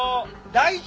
大地！